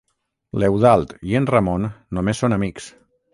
L'Eudald i en Ramon només són amics.